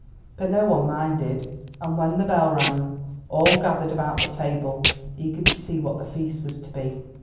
But no one minded, and when the bell rang, all gathered about the table eager to see what the feast was to be.